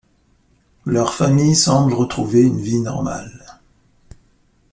Leur famille semble retrouver une vie normale.